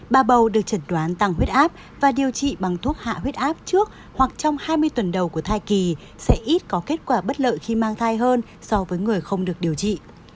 bà bầu được chẩn đoán tăng huyết áp và điều trị bằng thuốc hạ huyết áp trước hoặc trong hai mươi tuần đầu của thai kỳ sẽ ít có kết quả bất lợi khi mang thai hơn so với người không được điều trị